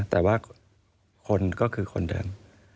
แต่ว่าคนก็คือคนเดิน